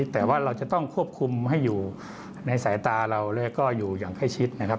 แต่ว่าเราจะต้องควบคุมให้อยู่ในสายตาเราแล้วก็อยู่อย่างใกล้ชิดนะครับ